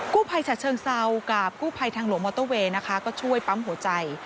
กู้ภัยฉะเชิงเซากับกู้ภัยทางหลวงมอเตอร์เวย์นะคะก็ช่วยปั๊มหัวใจ